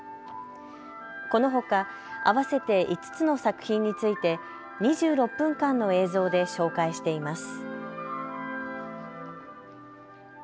このほか合わせて５つの作品について２６分間の映像で紹介しています。